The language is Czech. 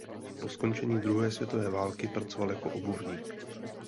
Po skončení druhé světové války pracoval jako obuvník.